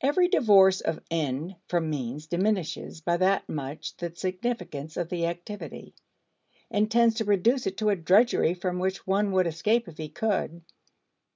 Every divorce of end from means diminishes by that much the significance of the activity and tends to reduce it to a drudgery from which one would escape if he could.